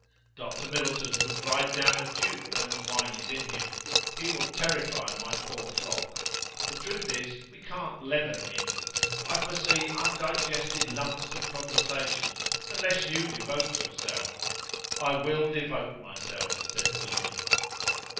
Doctor Middleton would ride down a duke when the wine is in him. He will terrify my poor flock. The truth is, we can't leaven him: I foresee undigested lumps of conversation, unless you devote yourself." "I will devote myself," said Willoughby.